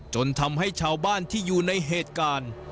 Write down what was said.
จนทำให้ชาวบ้านที่อยู่ในเหตุการณ์